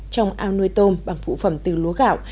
trong ao nuôi tôm bằng phụ phẩm từ lúa gạo